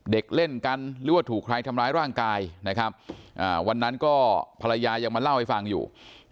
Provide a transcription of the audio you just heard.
เด็กเล่นกันหรือว่าถูกใครทำร้ายร่างกายนะครับวันนั้นก็ภรรยายังมาเล่าให้ฟังอยู่